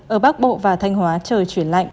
ở bắc bộ và thanh hóa trời chuyển lạnh